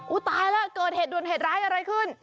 ตายแล้วเกิดเหตุด่วนเหตุร้ายอะไรขึ้น